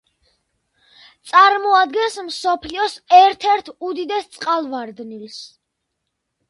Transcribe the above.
წარმოადგენს მსოფლიოს ერთ-ერთ უდიდეს წყალვარდნილს.